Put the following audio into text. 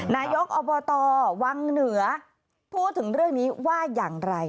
นายกอบตวังเหนือพูดถึงเรื่องนี้ว่าอย่างไร